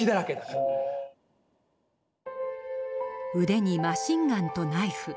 腕にマシンガンとナイフ。